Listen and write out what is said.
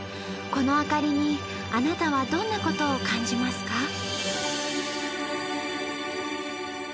この明かりにあなたはどんなことを感じますか？